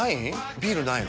ビールないの？